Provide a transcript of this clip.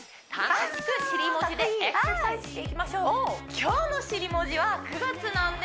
楽しく尻文字でエクササイズしていきましょう！